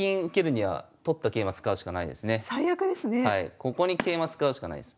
ここに桂馬使うしかないです。